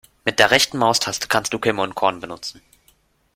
Mit der rechten Maustaste kannst du Kimme und Korn benutzen.